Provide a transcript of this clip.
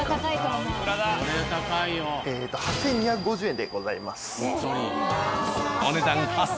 ８，２５０円でございます。